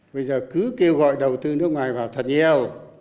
bây giờ cứ kêu gọi đầu tư nước ngoài vào thật nhiều